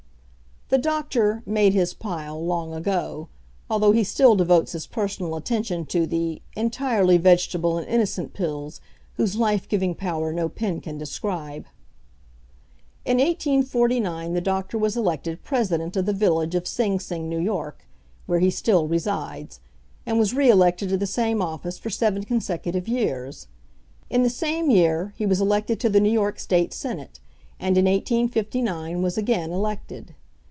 The doctor "made his pile" long ago, although he still devotes his personal attention to the "entirely vegetable and innocent pills, whose life giving power no pen can describe." In 1849, the doctor was elected President of the Village of Sing Sing, N. Y. (where he still resides,) and was re elected to the same office for seven consecutive years. In the same year, he was elected to the New York State Senate, and in 1859 was again elected.